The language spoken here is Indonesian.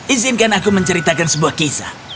izinkan aku menceritakan sebuah kisah